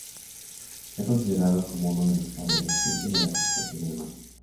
Está considerado como uno de los padres de la ciencia de la computación alemana.